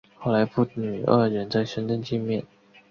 后来父女二人在深圳见面。